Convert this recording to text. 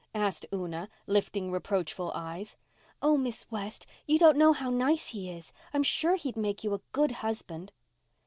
asked Una, lifting reproachful eyes. "Oh, Miss West, you don't know how nice he is. I'm sure he'd make you a good husband."